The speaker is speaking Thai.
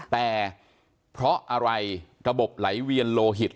แต่เพราะอะไรระบบไหลเวียนโลหิต